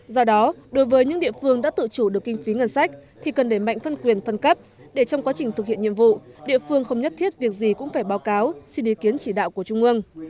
do đó đối với những địa phương đã tự chủ được kinh phí ngân sách thì cần để mạnh phân quyền phân cấp để trong quá trình thực hiện nhiệm vụ địa phương không nhất thiết việc gì cũng phải báo cáo xin ý kiến chỉ đạo của trung ương